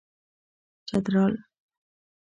چترال